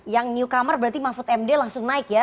yang newcomer berarti mahfud md langsung naik ya